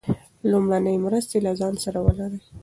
لومړنۍ مرستې له ځان سره ولرئ.